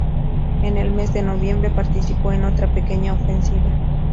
En el mes de noviembre participó en otra pequeña ofensiva.